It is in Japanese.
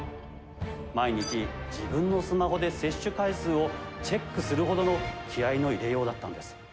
毎日自分のスマホで接種回数をチェックするほどの気合いの入れよ